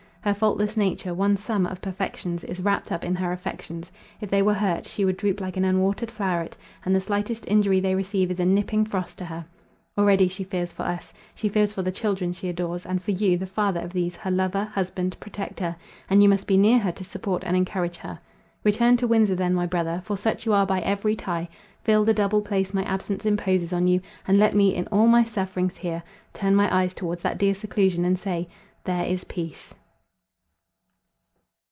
Her faultless nature, one sum of perfections, is wrapt up in her affections—if they were hurt, she would droop like an unwatered floweret, and the slightest injury they receive is a nipping frost to her. Already she fears for us. She fears for the children she adores, and for you, the father of these, her lover, husband, protector; and you must be near her to support and encourage her. Return to Windsor then, my brother; for such you are by every tie—fill the double place my absence imposes on you, and let me, in all my sufferings here, turn my eyes towards that dear seclusion, and say—There is peace."